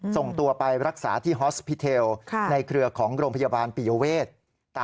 ส่งตัวไปรักษาที่ฮอสพิเทลในเครือของโรงพยาบาลปิยเวท